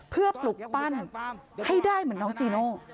เพื่อปลุกปั้นให้ได้เหมือนน้องจีโน่